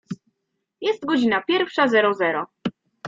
Jest godzina pierwsza zero zero.